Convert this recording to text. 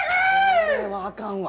これはあかんわ。